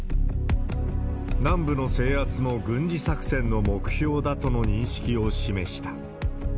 南部の制圧も軍事作戦の目標だとの認識を示した。